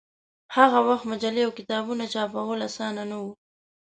هغه وخت مجلې او کتابونه چاپول اسان نه و.